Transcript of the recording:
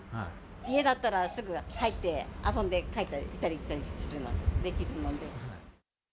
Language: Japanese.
家だったらすぐ入って、遊んで帰って、行ったり来たりできるので。